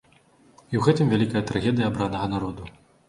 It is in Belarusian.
І ў гэтым вялікая трагедыя абранага народу.